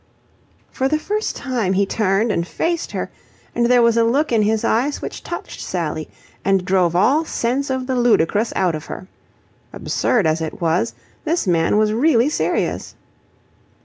For the first time he turned and faced her, and there was a look in his eyes which touched Sally and drove all sense of the ludicrous out of her. Absurd as it was, this man was really serious.